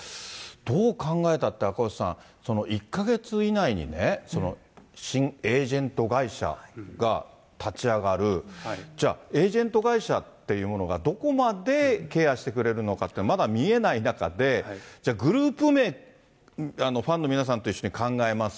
どう考えたって赤星さん、１か月以内にね、新エージェント会社が立ち上がる、じゃあ、エージェント会社っていうものがどこまでケアしてくれるのかっていうのがまだ見えない中で、じゃあ、グループ名、ファンの皆さんと一緒に考えます。